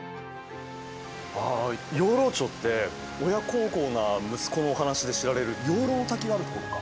ああ養老町って親孝行な息子のお話で知られる養老の滝があるところか。